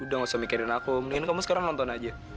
udah gak usah mikirin aku mendingan kamu sekarang nonton aja